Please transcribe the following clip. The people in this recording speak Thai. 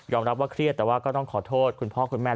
รับว่าเครียดแต่ว่าก็ต้องขอโทษคุณพ่อคุณแม่